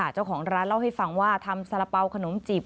เจ้าของร้านเล่าให้ฟังว่าทำสาระเป๋าขนมจีบ